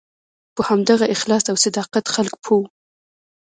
په همدغه اخلاص او صداقت خلک پوه وو.